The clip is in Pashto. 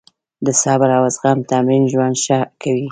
د صبر او زغم تمرین ژوند ښه کوي.